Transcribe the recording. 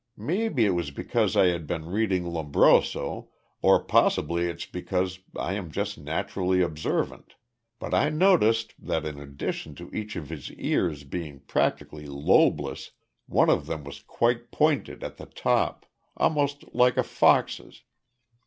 Maybe it was because I had been reading Lombroso, or possibly it's because I am just naturally observant, but I noticed that, in addition to each of his ears being practically lobeless, one of them was quite pointed at the top almost like a fox's.